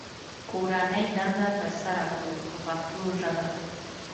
کورنۍ دنده ترسره کړو په پښتو ژبه.